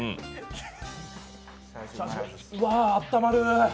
うわー、あったまる。